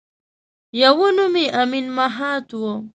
یوه نوم یې امین مهات وه.